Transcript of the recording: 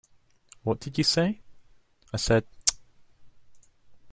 What did you say? I said 'Tut!'